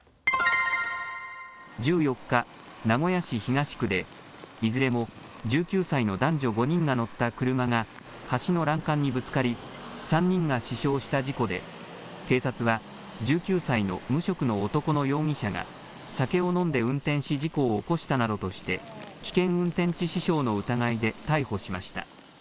１４日、名古屋市東区でいずれも１９歳の男女５人が乗った車が橋の欄干にぶつかり３人が死傷した事故で警察は１９歳の無職の男の容疑者が酒を飲んで運転し事故を起こしたなどとして危険運転致死傷の疑いで逮捕しました。